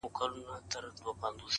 دې يوه لمن ښكلا په غېږ كي ايښې ده ـ